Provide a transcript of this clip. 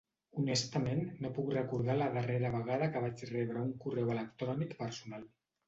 Honestament no puc recordar la darrera vegada que vaig rebre un correu electrònic personal.